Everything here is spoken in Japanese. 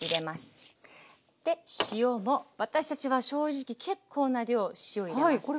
私たちは正直結構な量塩入れます。